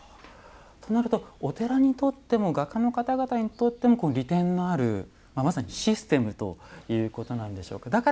となるとお寺にとっても画家の方々にとっても利点のあるまさにシステムということなんでしょうか。